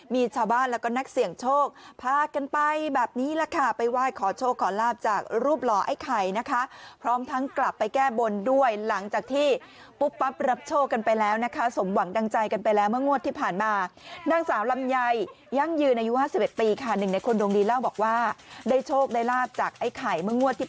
มีชาวบ้านแล้วก็นักเสี่ยงโชคพากันไปแบบนี้แหละค่ะไปไหว้ขอโชคขอลาบจากรูปหล่อไอ้ไข่นะคะพร้อมทั้งกลับไปแก้บนด้วยหลังจากที่ปุ๊บปั๊บรับโชคกันไปแล้วนะคะสมหวังดังใจกันไปแล้วเมื่องวดที่ผ่านมานางสาวลำไยยั่งยืนอายุ๕๑ปีค่ะหนึ่งในคนดวงดีเล่าบอกว่าได้โชคได้ลาบจากไอ้ไข่เมื่องวดที่